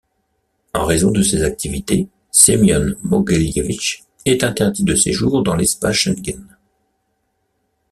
En raison de ses activités, Semion Mogelievich est interdit de séjour dans l'espace Schengen.